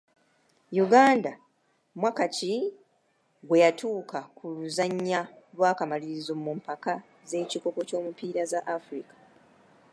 Uganda mwaka ki gwe yatuuka ku luzannya lw’akamalirizo mu mpaka z'ekikopo ky'omupiira za Afirika?